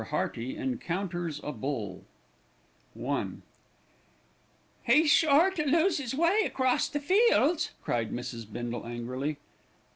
HEARTY ENCOUNTERS A BULL I "He's sure to lose his way across the fields," cried Mrs. Bindle angrily.